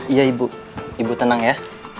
iya ibu ibu tenang ya